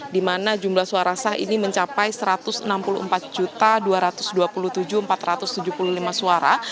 di mana jumlah suara sah ini mencapai satu ratus enam puluh empat dua ratus dua puluh tujuh empat ratus tujuh puluh lima suara